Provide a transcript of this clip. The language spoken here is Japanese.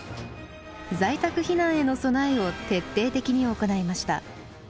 在宅避難への備えを徹底的に行いました。